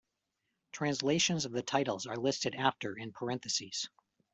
Translations of the titles are listed after, in parentheses.